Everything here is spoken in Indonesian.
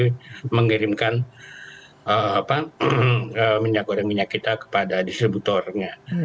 jadi kami mengirimkan minyak goreng minyak kita kepada distributornya